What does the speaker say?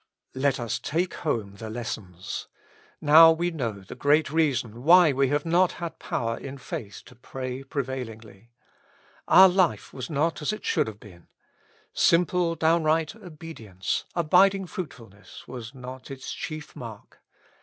Let us take home the lessons. Now we know the great reason why we have not had power in faith to pray prevailingly. Our life was not as it should have been : simple downright obedience, abiding fruitful ness, was not its chief mark.